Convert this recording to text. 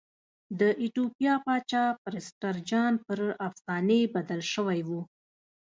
د ایتوپیا پاچا پرسټر جان پر افسانې بدل شوی و.